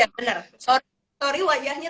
ya bener sorry wajahnya